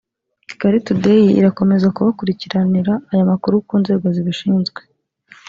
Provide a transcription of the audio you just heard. Kigali Today irakomeza kubakurikiranira aya makuru ku nzego zibishinzwe